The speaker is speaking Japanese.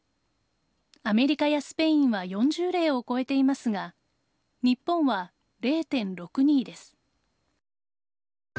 アメリカやスペインは４０例を超えていますが日本は０．６２です。